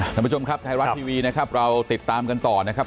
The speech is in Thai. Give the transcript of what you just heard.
ท่านผู้ชมครับไทยรัฐทีวีนะครับเราติดตามกันต่อนะครับ